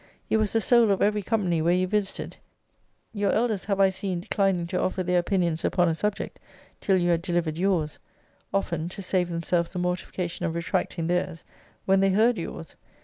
You was the soul of every company where you visited. Your elders have I seen declining to offer their opinions upon a subject till you had delivered yours; often, to save themselves the mortification of retracting theirs, when they heard yours.